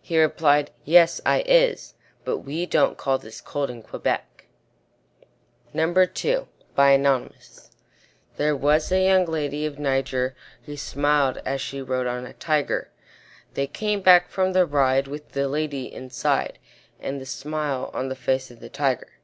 He replied, "Yes, I is But we don't call this cold in Quebec." RUDYARD KIPLING There was a young lady of Niger Who smiled as she rode on a Tiger; They came back from the ride With the lady inside, And the smile on the face of the Tiger.